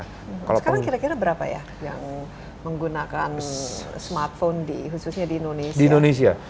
sekarang kira kira berapa ya yang menggunakan smartphone di khususnya di indonesia